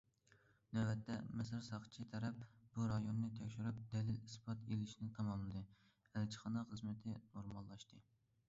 نۆۋەتتە، مىسىر ساقچى تەرەپ بۇ رايوننى تەكشۈرۈپ، دەلىل- ئىسپات ئېلىشنى تاماملىدى، ئەلچىخانا خىزمىتى نورماللاشتى.